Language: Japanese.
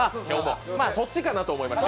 そっちかなと思いまして。